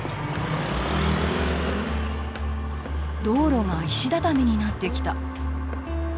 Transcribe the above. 道路が石畳になってきた。